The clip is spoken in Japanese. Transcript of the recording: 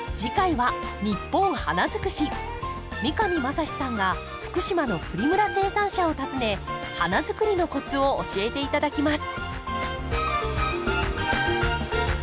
三上真史さんが福島のプリムラ生産者を訪ね花づくりのコツを教えて頂きます。